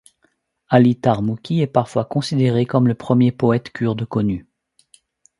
Ali Tarmuki est parfois considéré comme le premier poète kurde connu.